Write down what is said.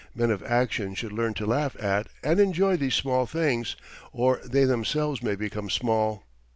Men of action should learn to laugh at and enjoy these small things, or they themselves may become "small."